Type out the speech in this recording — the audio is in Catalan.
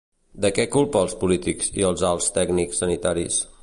De què culpa als polítics i als alts tècnics sanitaris?